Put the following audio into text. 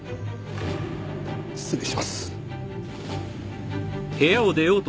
失礼します。